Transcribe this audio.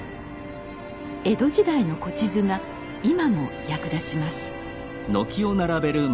江戸時代の古地図が今も役立ちます。